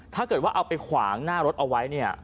ถ้าเกิดว่าเอาไปขวางหน้ารถเอาไว้เนี่ย